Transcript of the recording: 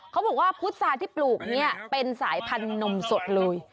เขาบอกว่าพุษาที่ปลูกเนี่ยเป็นสายพันธุ์นมสดเลย